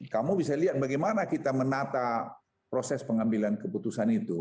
kamu bisa lihat bagaimana kita menata proses pengambilan keputusan itu